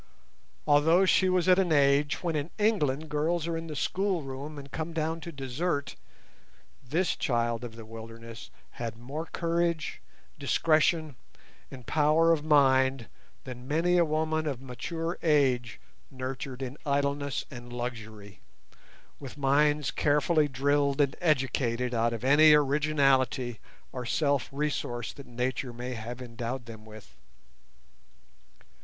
Although she was at an age when in England girls are in the schoolroom and come down to dessert, this "child of the wilderness" had more courage, discretion, and power of mind than many a woman of mature age nurtured in idleness and luxury, with minds carefully drilled and educated out of any originality or self resource that nature may have endowed them with.